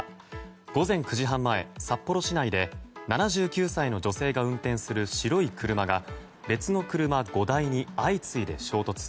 午前９時半前、札幌市内で７９歳の女性が運転する白い車が別の車５台に相次いで衝突。